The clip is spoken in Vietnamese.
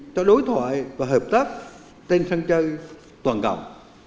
cho đối thoại và hợp tác tên săn chơi toàn gọng